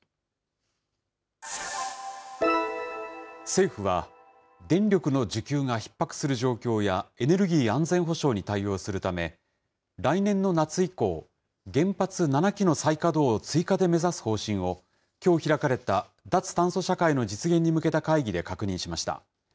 政府は電力の需給がひっ迫する状況や、エネルギー安全保障に対応するため、来年の夏以降、原発７基の再稼働を追加で目指す方針を、きょう開かれた脱炭素社会の実現に向けた会議で確認しました。